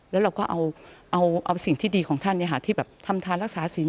แล้วเราก็เอาสิ่งที่ดีของท่านที่แบบทำทานรักษาสิน